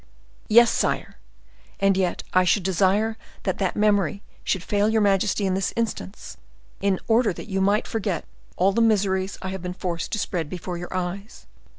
"Yes, sire; and yet I should desire that that memory should fail your majesty in this instance, in order that you might forget all the miseries I have been forced to spread before your eyes.